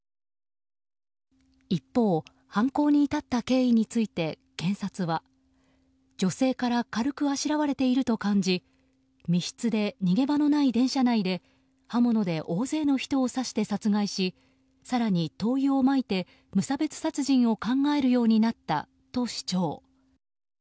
一方、犯行に至った経緯について検察は、女性から軽くあしらわれていると感じ密室で逃げ場のない電車内で刃物で大勢の人を刺して殺害し更に灯油をまいて、無差別殺人を考えるようになったと主張。